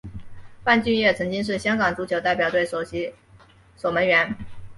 范俊业曾经是香港足球代表队首席守门员。